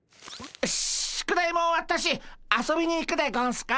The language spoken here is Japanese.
宿題も終わったし遊びに行くでゴンスか。